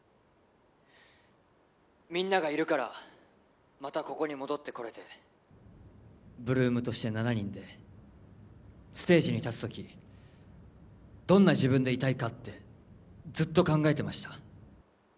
みんながいるからまたここに戻ってこれて８ＬＯＯＭとして７人でステージに立つ時どんな自分でいたいかってずっと考えてました